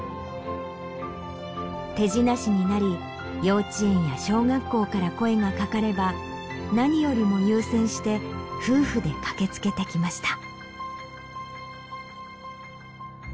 手品師になり幼稚園や小学校から声がかかれば何よりも優先して夫婦で駆けつけてきました。